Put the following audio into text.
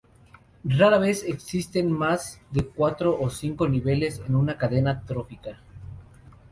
Rara vez existen más de cuatro o cinco niveles en una cadena trófica.